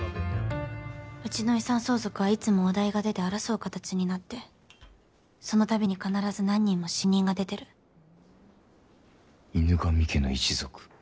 うちの遺産相続はいつもお題が出て争う形になってそのたびに必ず何人も犬神家の一族。